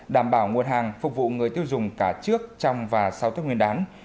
đảm bảo nguồn hàng phục vụ người tiêu dùng cả trước trong và sau tết nguyên đán